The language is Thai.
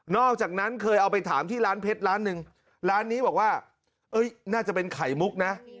อกจากนั้นเคยเอาไปถามที่ร้านเพชรร้านหนึ่งร้านนี้บอกว่าน่าจะเป็นไข่มุกนะ